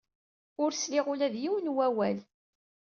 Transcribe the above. Ur sliɣ ula d yiwen n wawal.